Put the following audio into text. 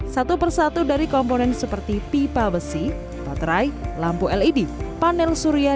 satu persatu dari komponen seperti pipa besi baterai lampu led panel surya